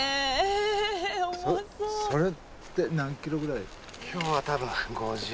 それって何ｋｇぐらい？